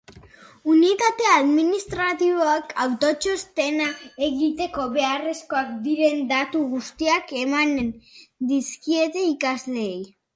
Unitate administratiboek autotxostena egiteko beharrezkoak diren datu guztiak emanen dizkiete irakasleei.